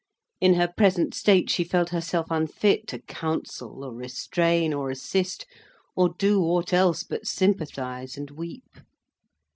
In her present state she felt herself unfit to counsel, or restrain, or assist, or do ought else but sympathise and weep.